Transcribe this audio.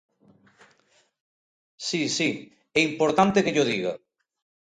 Si, si, é importante que llo diga.